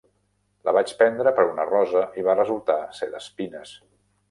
La vaig prendre per una rosa i va resultar ser d'espines.